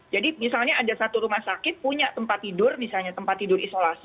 jadi misalnya ada satu rumah sakit punya tempat tidur misalnya tempat tidur isolasi